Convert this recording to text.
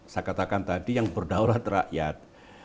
saya katakan tadi yang berdaulat rakyat